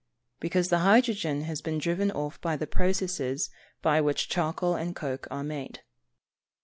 _ Because the hydrogen has been driven off by the processes by which charcoal and coke are made.